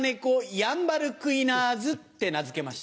・ヤンバルクイナーズって名付けました。